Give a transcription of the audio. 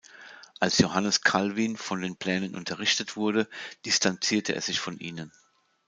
Als Johannes Calvin von den Plänen unterrichtet wurde, distanzierte er sich von ihnen.